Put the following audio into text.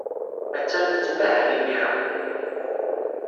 Attan tettmahal imir-a.